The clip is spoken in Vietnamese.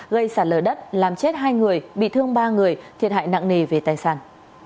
gây sạt lở đất làm chết hai người bị thương ba người thiệt hại nặng nề về tài sản